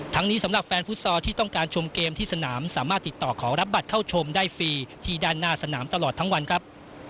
นี้สำหรับแฟนฟุตซอลที่ต้องการชมเกมที่สนามสามารถติดต่อขอรับบัตรเข้าชมได้ฟรีที่ด้านหน้าสนามตลอดทั้งวันครับ